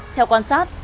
theo quan sát